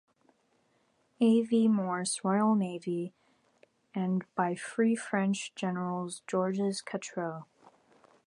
A. V. Morse, Royal Navy, and by Free French General Georges Catroux.